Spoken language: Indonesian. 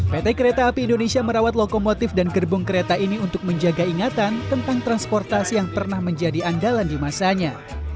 pt kereta api indonesia merawat lokomotif dan gerbong kereta ini untuk menjaga ingatan tentang transportasi yang pernah menjadi andalan di masanya